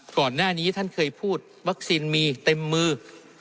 ก่อนหน้านี้ท่านเคยพูดวัคซีนมีเต็มมือ